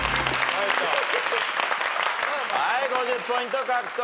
はい５０ポイント獲得。